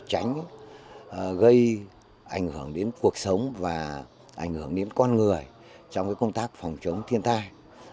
tránh gây ảnh hưởng đến cuộc sống và ảnh hưởng đến con người trong công tác phòng chống thiên tai